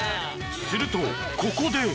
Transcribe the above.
［するとここで］